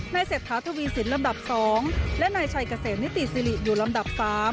เศรษฐาทวีสินลำดับ๒และนายชัยเกษมนิติสิริอยู่ลำดับ๓